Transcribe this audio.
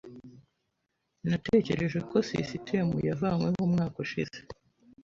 Natekereje ko sisitemu yavanyweho umwaka ushize.